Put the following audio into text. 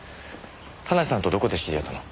田無さんとどこで知り合ったの？